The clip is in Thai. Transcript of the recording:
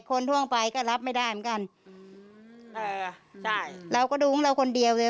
คนทั่วไปก็รับไม่ได้เหมือนกันอืมอ่าใช่เราก็ดูของเราคนเดียวไง